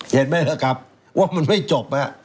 เห็นไหมล่ะครับว่ามันไม่จบ